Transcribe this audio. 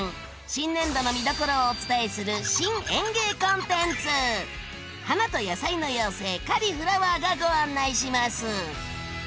新年度の見どころをお伝えする花と野菜の妖精カリ・フラワーがご案内します！